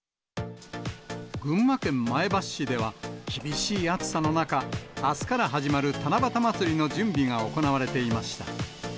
群馬県前橋市では、厳しい暑さの中、あすから始まる七夕まつりの準備が行われていました。